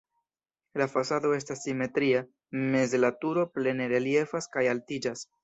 La fasado estas simetria, meze la turo plene reliefas kaj altiĝas.